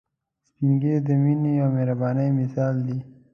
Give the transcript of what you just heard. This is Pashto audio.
سپین ږیری د مينه او مهربانۍ مثال دي